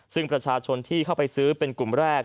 ซึ่งประชาชนที่เข้าไปซื้อเป็นกลุ่มแรก